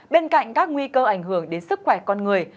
bên cạnh các nguy cơ ảnh hưởng đến sức khỏe con người